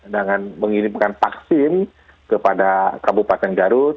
dengan mengirimkan vaksin kepada kabupaten garut